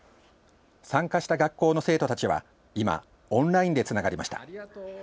参加した学校の生徒たちは今、オンラインでつながりました。